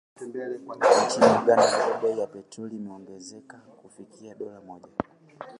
Nchini Uganda ambapo bei ya petroli imeongezeka kufikia dola Mmoja